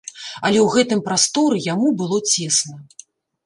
Але ў гэтым прасторы яму было цесна.